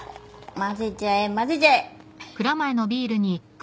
混ぜちゃえ混ぜちゃえ。